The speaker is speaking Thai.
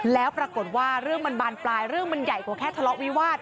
แล้วปรากฏว่าเรื่องมันบานปลายเรื่องมันใหญ่กว่าแค่ทะเลาะวิวาส